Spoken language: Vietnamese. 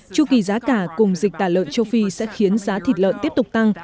chu kỳ giá cả cùng dịch tả lợn châu phi sẽ khiến giá thịt lợn tiếp tục tăng